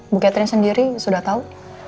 bu catherine sendiri sudah tahu